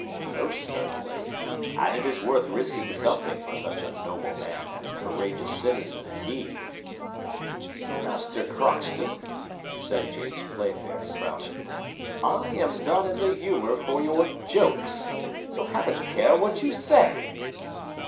"Most certainly, and it is worth risking something for such a noble man and courageous citizen as he." "Master Crockston," said James Playfair, frowning, "I am not in the humour for your jokes, so have a care what you say."